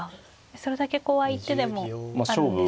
それだけ怖い手でもあるんですね。